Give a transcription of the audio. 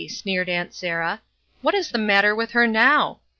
sneered Aunt Sarah. "What is the matter with her now?